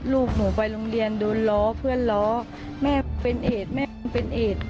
ลูกหนูไปโรงเรียนโดนล้อเพื่อนล้อแม่เป็นเอดแม่เป็นเอด